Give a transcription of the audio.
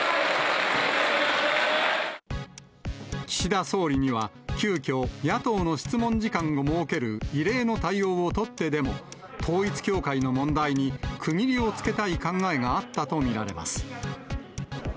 岸田総理には、急きょ、野党の質問時間を設ける異例の対応を取ってでも、統一教会の問題に区切りをつけたい考えがあったと見られます。